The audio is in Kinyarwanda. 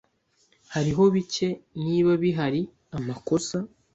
Hariho bike, niba bihari, amakosa.